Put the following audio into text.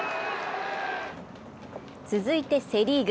続いてセ・リーグ。